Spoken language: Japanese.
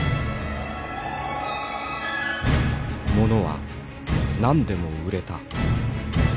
物は何でも売れた。